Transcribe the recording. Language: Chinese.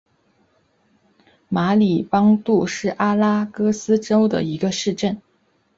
马里邦杜是巴西阿拉戈斯州的一个市镇。